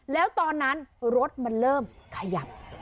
แล้วตอนนั้นรถมันเริ่มขยับ